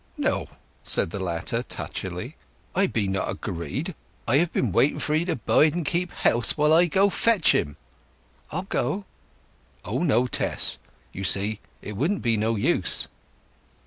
"No," said the latter touchily, "I be not agreed. I have been waiting for 'ee to bide and keep house while I go fetch him." "I'll go." "O no, Tess. You see, it would be no use."